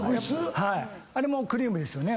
あれもクリームですよね。